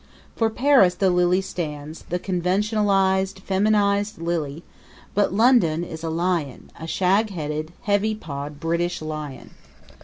For Paris the lily stands, the conventionalized, feminized lily; but London is a lion, a shag headed, heavy pawed British lion.